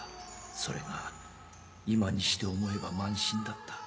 それが今にして思えば慢心だった。